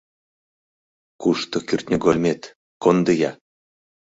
Кушто кӱртньыгольмет, кондо-я!